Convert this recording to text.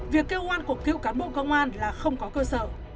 việc kêu oan của cựu cán bộ công an là không có cơ sở